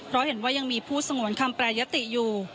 เพราะเห็นว่ายังมีผู้สงวนคำแปรยติอยู่